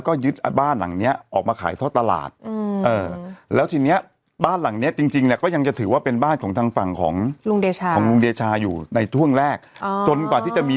จ่ายเงินเข้ามามันก็จะขาดจากลุงเดชา